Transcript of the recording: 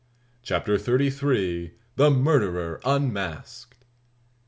CHAPTER THIRTY THREE. THE MURDERER UNMASKED.